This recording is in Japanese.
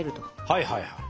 はいはいはい。